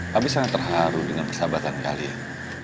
kami sangat terharu dengan persahabatan kalian